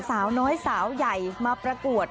สาวน้อยสาวใหญ่มาประกวด